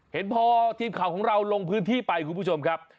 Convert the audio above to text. เห็นพอทีมข่าวของเราลงพื้นที่ไปคุณผู้ชมครับ